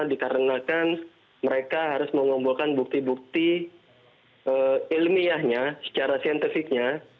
dikarenakan mereka harus mengumpulkan bukti bukti ilmiahnya secara saintifiknya